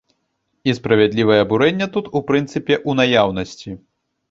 І справядлівае абурэнне тут, у прынцыпе, у наяўнасці.